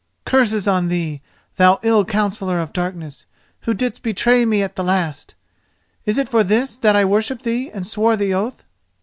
Curses on thee, thou ill counseller of darkness, who didst betray me at the last! Is it for this that I worshipped thee and swore the oath?"